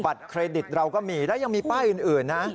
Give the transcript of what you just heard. เครดิตเราก็มีแล้วยังมีป้ายอื่นนะ